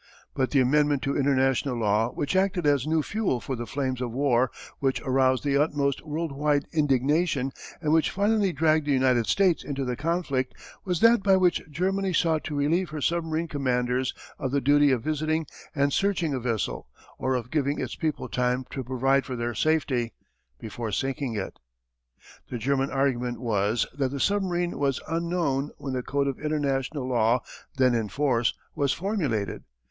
But the amendment to international law which acted as new fuel for the flames of war, which aroused the utmost world wide indignation, and which finally dragged the United States into the conflict, was that by which Germany sought to relieve her submarine commanders of the duty of visiting and searching a vessel, or of giving its people time to provide for their safety, before sinking it. [Illustration: © U. & U. An Air Battle in Progress.] The German argument was that the submarine was unknown when the code of international law then in force was formulated.